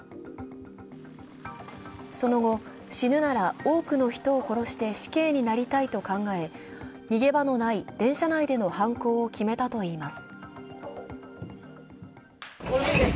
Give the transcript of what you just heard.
その後、死ぬなら多くの人を殺して死刑になりたいと考え、逃げ場のない電車内での犯行を決めたといいます。